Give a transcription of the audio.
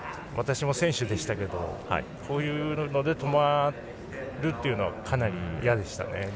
私も選手でしたけどこういうので止まるというのはかなりいやでしたね。